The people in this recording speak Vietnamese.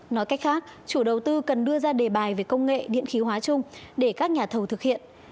nói cách khác chủ đầu tư cần đưa ra đề bài về công nghệ điện khí hóa chung để các nhà thầu thực hiện